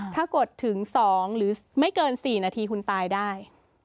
ถ้ากดถึง๒หรือไม่เกิน๔นาทีคุณตายได้